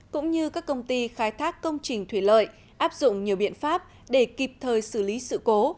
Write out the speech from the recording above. cũng như các công ty khai thác công trình thủy lợi áp dụng nhiều biện pháp để kịp thời xử lý sự cố